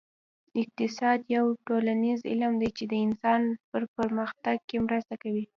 اقتصاد یو ټولنیز علم دی چې د انسان په پرمختګ کې مرسته کوي